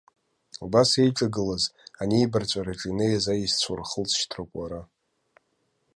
Убас еиҿагылаз, анибарҵәараҿы инеиз аешьцәа урхылҵшьҭроуп уара.